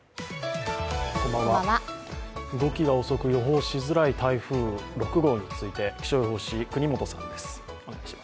動きが遅く予想しづらい台風６号について気象予報士、國本さんです。